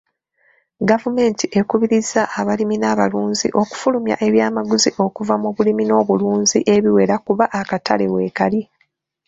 Gavumenti ekubiriza abalimi n'abalunzi okufulumya ebyamaguzi okuva mu bulimi n'obulunzi ebiwera kuba akatale weekali.